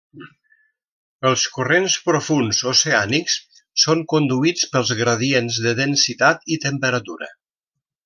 Els corrents profunds oceànics són conduïts pels gradients de densitat i temperatura.